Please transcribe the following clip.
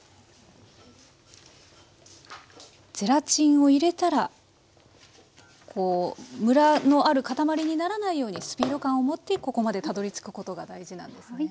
ゼラチンを入れたらムラのある固まりにならないようにスピード感をもってここまでたどりつくことが大事なんですね。